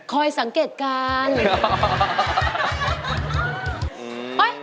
คอยสังเกตกัน